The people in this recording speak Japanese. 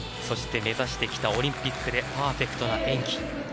そして、目指してきたオリンピックでパーフェクトな演技。